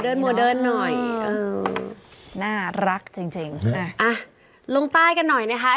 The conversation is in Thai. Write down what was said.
โมเดิร์นโมเดิร์นหน่อยเออน่ารักจริงจริงอ่ะลงใต้กันหน่อยนะคะ